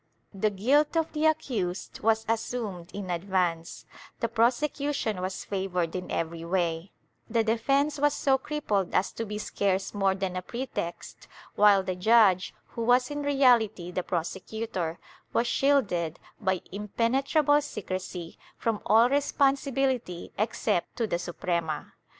The guilt of the accused was assumed in advance; the prosecution was favored in every way; the defence was so crippled as to be scarce more than a pretext, while the judge, who was in reality the prosecutor, was shielded, by impenetrable secrecy, from all responsibility except to the Suprema.